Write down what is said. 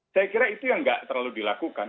saya kira itu yang nggak terlalu dilakukan